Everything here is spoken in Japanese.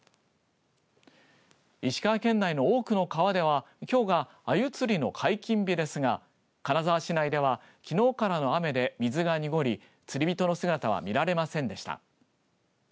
石川県内の多くの川ではきょうがあゆ釣りの解禁日ですが金沢市内ではきのうからの雨で水が濁り釣り人の姿は見られませんでした。